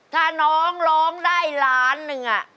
ถ้าน้องร้องได้ล้านหนึ่ง